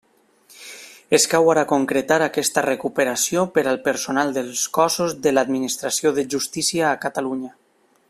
Escau ara concretar aquesta recuperació per al personal dels cossos de l'Administració de justícia a Catalunya.